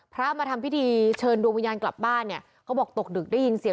เพราะที่ผ่านมาไม่มี